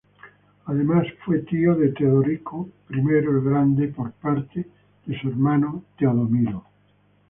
Además, fue tío de Teodorico I el Grande por parte de su hermano Teodomiro.